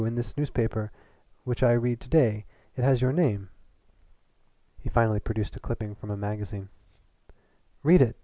In this newspaper which I read to day it has your name." He finally produced a clipping from a magazine. "Read it!"